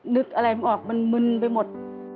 นึกอะไรไม่ออกมันมึนไปหมด